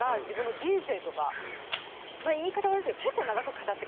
言い方悪いですけど。